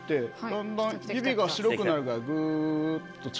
だんだん指が白くなるぐらいぐっと力入ってきます。